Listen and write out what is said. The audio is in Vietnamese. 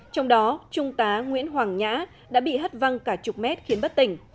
trong đó trung tá nguyễn hoàng nhã đã bị hất văng cả chục mét khiến bất tỉnh